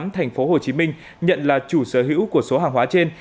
thành phố hồ chí minh nhận là chủ sở hữu của số hàng hóa trên